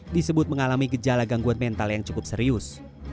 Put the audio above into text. disebut mengalami gejala gangguan mental yang cukup serius